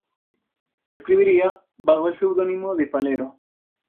Escribirá bajo el seudónimo de ""Falero"".